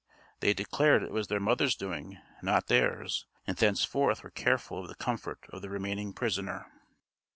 They declared it was their mother's doing, not theirs, and thenceforth were careful of the comfort of the remaining prisoner.